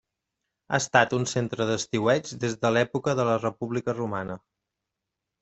Ha estat un centre d'estiueig des de l'època de la República Romana.